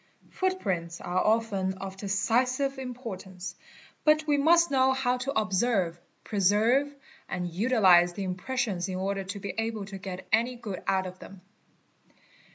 Footprints are often of decisive importance, but we must know how Sete DK Oia b Ch ie BEES Ly _ to observe, preserve, and utilize®® the impressions in order to be able to get any good out of them.